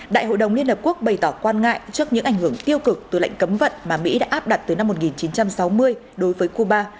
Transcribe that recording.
đại hội đồng liên hợp quốc bày tỏ quan ngại trước những ảnh hưởng tiêu cực từ lệnh cấm vận mà mỹ đã áp đặt từ năm một nghìn chín trăm sáu mươi đối với cuba